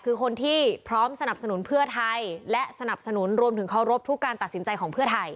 คือคนที่พร้อมสนับสนุนเพื่อไทยและสนับสนุนรวมถึงเคารพทุกการตัดสินใจของเพื่อไทย